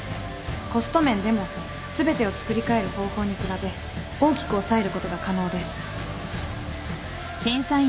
コスト面でも全てを造り替える方法に比べ大きく抑えることが可能です。